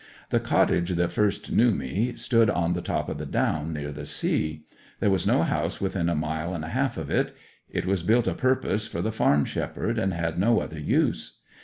The cottage that first knew me stood on the top of the down, near the sea; there was no house within a mile and a half of it; it was built o' purpose for the farm shepherd, and had no other use.